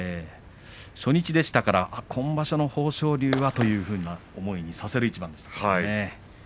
初日ですから今場所の豊昇龍だという思いにさせる一番でした。